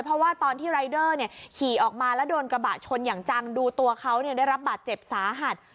เพราะว่าตอนที่รายเดอร์ขี่ออกมาแล้วโดนกระบะชนอย่างจังดูตัวเขาได้รับบาดเจ็บสาหัส